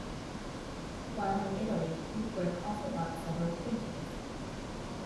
While in Italy Beauclerk also bought several paintings.